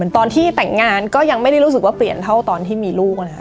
ตอนที่แต่งงานก็ยังไม่ได้รู้สึกว่าเปลี่ยนเท่าตอนที่มีลูกนะคะ